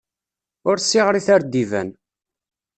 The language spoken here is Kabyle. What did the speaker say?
Ur ssiɣrit ar d iban!